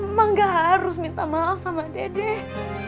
emak nggak harus minta maaf sama dedek